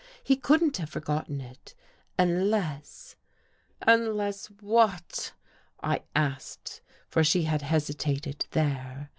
He couldn't have forgotten it, unless .. "Unless what?" I asked, for she had hesitated there.